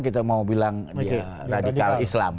kita mau bilang dia radikal islam